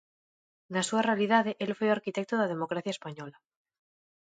Na súa realidade, el foi o arquitecto da democracia española.